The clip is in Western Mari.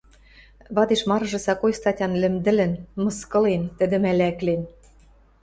Вадеш марыжы сакой статян лӹмдӹлӹн, мыскылен, тӹдӹм ӓляклен.